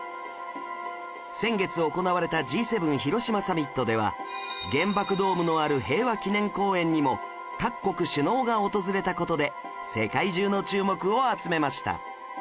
先月行われた Ｇ７ 広島サミットでは原爆ドームのある平和記念公園にも各国首脳が訪れた事で世界中の注目を集めました